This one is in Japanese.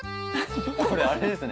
これあれですね。